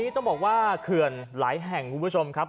ต้องบอกว่าเขื่อนหลายแห่งคุณผู้ชมครับ